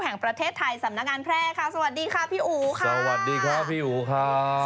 แห่งประเทศไทยสำนักงานแพร่ค่ะสวัสดีค่ะพี่อู๋ค่ะสวัสดีครับพี่อู๋ค่ะ